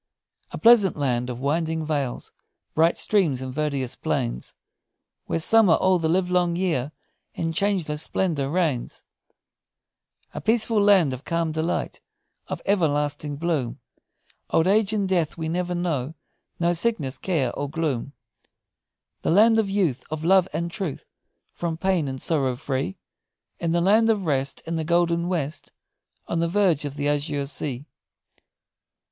"A pleasant land of winding vales, bright streams, and verdurous plains, Where summer all the live long year in changeless splendor reigns; A peaceful land of calm delight, of everlasting bloom; Old age and death we never know, no sickness, care, or gloom; The land of youth, Of love and truth, From pain and sorrow free, The land of rest, In the golden west, On the verge of the azure sea!